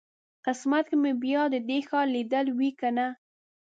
قسمت کې به مې بیا د دې ښار لیدل وي کنه.